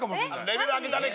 レベル上げたね